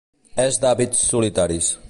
És d'hàbits solitaris.